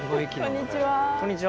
こんにちは。